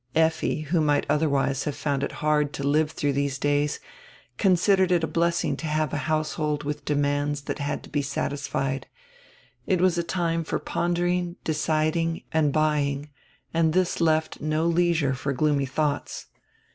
Effi, who might otherwise have found it hard to live through diese days, considered it a blessing to have a household widi demands diat had to be satisfied. It was a time for pondering, deciding, and buying, and this left no leisure for gloomy dioughts.